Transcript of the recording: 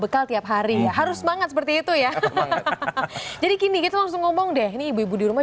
bekal tiap hari harus banget seperti itu ya jadi kini kita langsung ngomong deh nih ibu di rumah